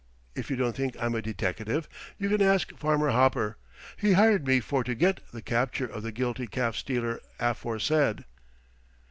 If you don't think I'm a deteckative you can ask Farmer Hopper. He hired me for to get the capture of the guilty calf stealer aforesaid."